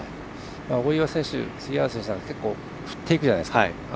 大岩選手、杉原選手は結構振っていくじゃないですか。